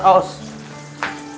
udah aus aus deh ah